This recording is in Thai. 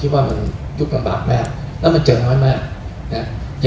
ว่าเป็นยุคหลั่มบาปและเห็นง่าย